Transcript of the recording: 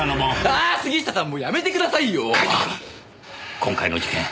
今回の事件